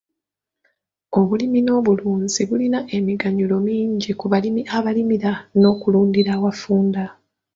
Obulimi n'obulunzi bulina emiganyulo mingi kubalimi abalimira n'okulundira awafunda.